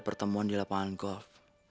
pertemuan di lapangan golf